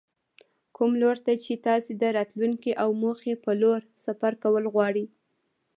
کوم لور ته چې تاسې د راتلونکې او موخې په لور سفر کول غواړئ.